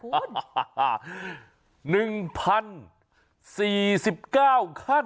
ห้าภาพหนึ่งพันสี่สิบเก้าขั้น